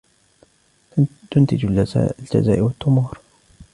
تنتج الجزائر التمور.